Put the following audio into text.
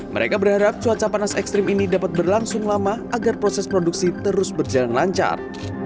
mereka berharap cuaca panas ekstrim ini dapat berlangsung lama agar proses produksi terus berjalan lancar